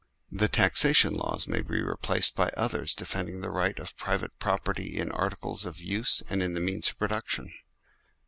The taxation laws may be replaced by others defending the right of private property in articles of use and in the means of production.